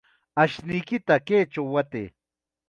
Ashnuykita kaychaw watay.